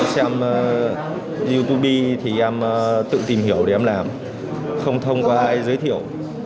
xem youtube thì em tự tìm hiểu để em làm không thông qua ai giới thiệu